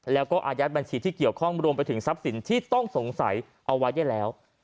แล้วก็อายัดบัญชีที่เกี่ยวข้องรวมไปถึงทรัพย์สินที่ต้องสงสัยเอาไว้ได้แล้ว